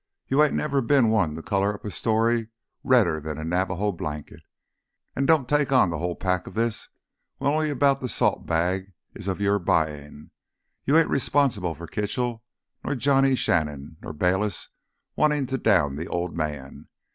"You ain't never been one to color up a story redder'n a Navajo blanket! An' don't take on th' whole pack of this when only 'bout th' salt bag is of your buyin'. You ain't responsible for Kitchell, nor Johnny Shannon, nor Bayliss' wantin' to down th' Old Man.